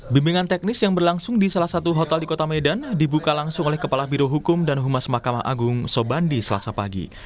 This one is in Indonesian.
bimbingan teknis yang berlangsung di salah satu hotel di kota medan dibuka langsung oleh kepala birohukum dan humas mahkamah agung sobandi selasa pagi